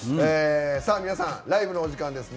さあ皆さんライブのお時間です。